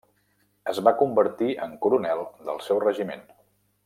Es va convertir en coronel del seu regiment.